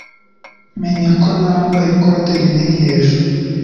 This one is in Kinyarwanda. menya ko nambaye ikote rinini hejuru